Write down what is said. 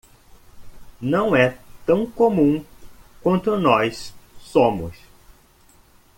Não é tão comum quanto nós somos